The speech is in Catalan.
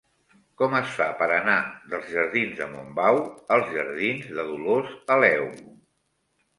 Com es fa per anar dels jardins de Montbau als jardins de Dolors Aleu?